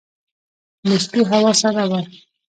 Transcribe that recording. د شپې هوا سړه وه.